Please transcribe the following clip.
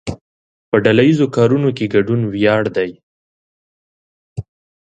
په ډله ایزو کارونو کې ګډون ویاړ دی.